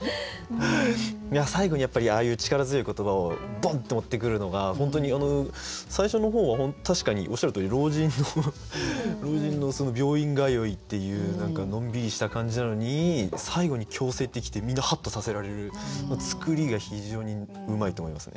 最後にああいう力強い言葉をボンッと持ってくるのが本当に最初の方は確かにおっしゃるとおり老人の病院通いっていう何かのんびりした感じなのに最後に「嬌声」って来てみんなハッとさせられる作りが非常にうまいと思いますね。